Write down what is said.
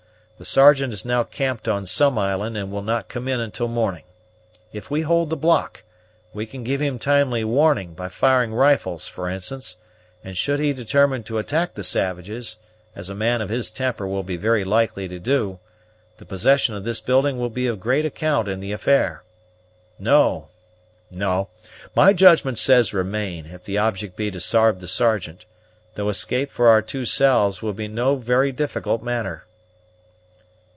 The Sergeant is now 'camped on some island, and will not come in until morning. If we hold the block, we can give him timely warning, by firing rifles, for instance; and should he determine to attack the savages, as a man of his temper will be very likely to do, the possession of this building will be of great account in the affair. No, no! my judgment says remain, if the object be to sarve the Sergeant, though escape for our two selves will be no very difficult matter."